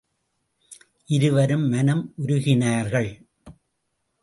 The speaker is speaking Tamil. இருவரும் மனம் உருகினார்கள்.